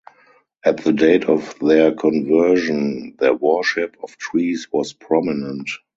At the date of their conversion, their worship of trees was prominent.